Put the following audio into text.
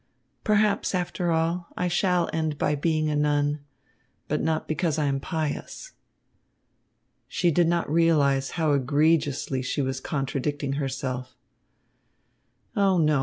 Perhaps, after all, I shall end by being a nun, but not because I am pious." She did not realise how egregiously she was contradicting herself. "Oh, no!